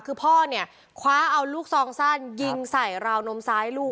คือพ่อเนี่ยคว้าเอาลูกซองสั้นยิงใส่ราวนมซ้ายลูก